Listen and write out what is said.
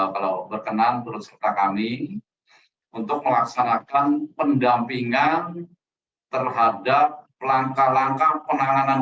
kalau berkenan turut serta kami untuk melaksanakan pendampingan terhadap langkah langkah penanganan